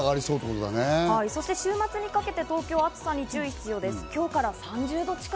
そして週末にかけても暑さに注意が必要です。